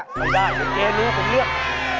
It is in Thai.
ไม่ได้เดี๋ยวเจ๊รู้ผมเลือก